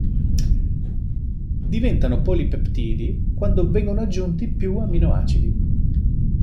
Diventano polipeptidi quando vengono aggiunti più aminoacidi.